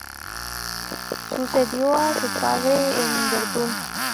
Sucedió a su padre en Verdún.